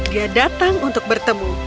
dia datang untuk bertemu